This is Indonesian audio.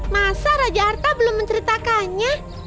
masa raja arta belum menceritakannya